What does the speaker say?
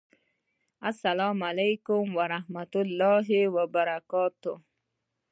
السلام علیکم ورحمة الله وبرکاته!